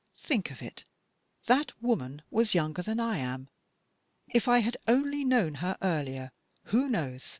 Think of it ! That woman was younger than I am. If I had only known her earlier, who knows